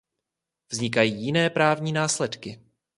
Vznikají jiné právní následky.